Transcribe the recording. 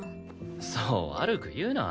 そう悪く言うな。